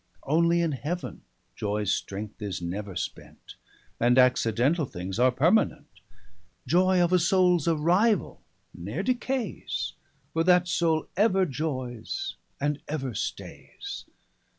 Only in Heaven joyes strength is never spent; And accidentall things are permanent. Joy of a soules arrivall ne'r decaies; For that soule ever joyes and ever staies.